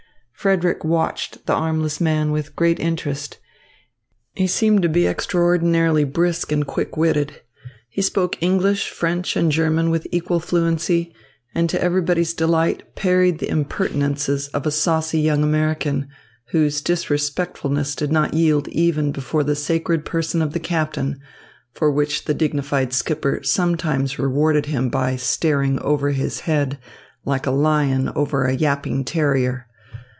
Frederick watched the armless man with great interest. He seemed to be extraordinarily brisk and quick witted. He spoke English, French and German with equal fluency, and to everybody's delight parried the impertinences of a saucy young American, whose disrespectfulness did not yield even before the sacred person of the captain; for which the dignified skipper sometimes rewarded him by staring over his head like a lion over a yapping terrier.